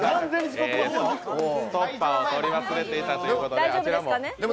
ストッパーを取り忘れていたということで。